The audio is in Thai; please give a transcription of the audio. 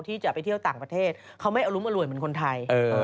ที่จะไปเที่ยวต่างประเทศเขาไม่เอารุมอร่วยเหมือนคนไทย